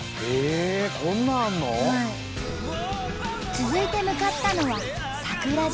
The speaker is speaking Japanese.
続いて向かったのは桜島。